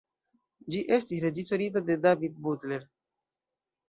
Ĝi estis reĝisorita de David Butler.